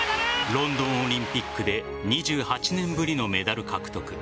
ロンドンオリンピックで２８年ぶりのメダル獲得。